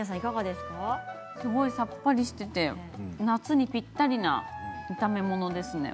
すごいさっぱりしていて夏にぴったりな炒め物ですね。